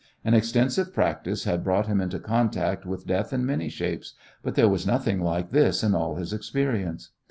An extensive practice had brought him into contact with death in many shapes, but there was nothing like this in all his experience.